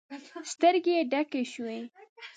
سترګې يې ډکې شوې.